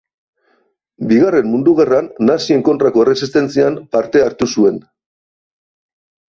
Bigarren Mundu Gerran nazien kontrako erresistentzian parte hartu zuen.